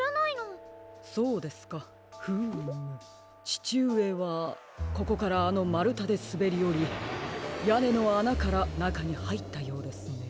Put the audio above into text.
ちちうえはここからあのまるたですべりおりやねのあなからなかにはいったようですね。